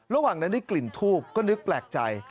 ระหว่างนั้นได้กลิ่นทูบก็นึกแปลกใจ